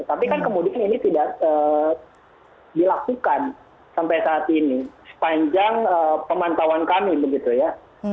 tapi kan kemudian ini tidak dilakukan sampai saat ini sepanjang pemantauan kami begitu ya